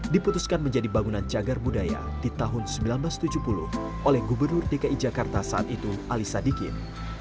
diputuskan menjadi bangunan cagar budaya di tahun seribu sembilan ratus tujuh puluh oleh gubernur dki jakarta saat itu ali sadikin